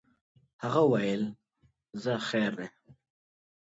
هغه ویل ځه خیر دی.